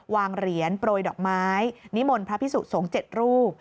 วางเหรียญโปรยดอกไม้นิมนต์พระพิสุสงฆ์๗รูป